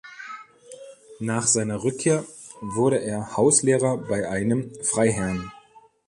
Nach seiner Rückkehr wurde er Hauslehrer bei einem Freiherrn.